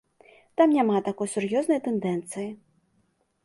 Там няма такой сур'ёзнай тэндэнцыі.